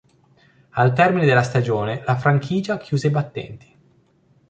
Al termine della stagione la franchigia chiuse i battenti.